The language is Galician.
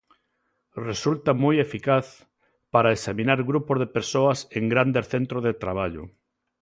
Resulta moi eficaz para examinar grupos de persoas en grandes centros de traballo.